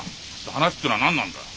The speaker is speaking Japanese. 話ってのは何なんだい？